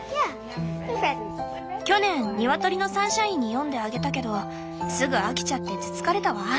去年ニワトリのサンシャインに読んであげたけどすぐ飽きちゃってつつかれたわ。